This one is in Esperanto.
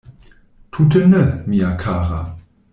Tute ne, mia kara.